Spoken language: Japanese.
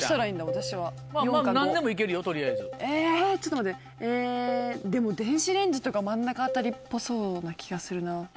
えぇちょっと待ってでも電子レンジとか真ん中辺りっぽそうな気がするな。